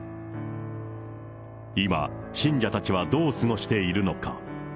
今、信者たちはどう過ごしているのか。